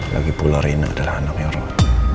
lagipula rina adalah anaknya orang